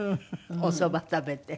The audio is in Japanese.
おそば食べて。